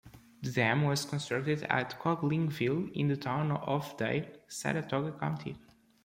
The dam was constructed at Conklingville in the Town of Day, Saratoga County.